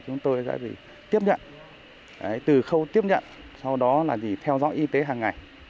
chúng tôi sẽ tiếp nhận từ khâu tiếp nhận sau đó là theo dõi y tế hàng ngày